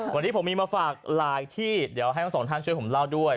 วันนี้ผมมีมาฝากหลายที่เดี๋ยวให้ทั้งสองท่านช่วยผมเล่าด้วย